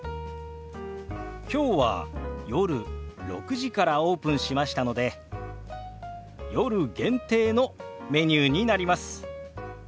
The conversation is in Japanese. きょうは夜６時からオープンしましたので夜限定のメニューになります。